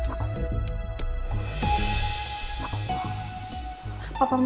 aku mau ketemu sama teman aku